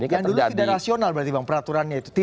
yang dulu tidak rasional berarti bang peraturannya itu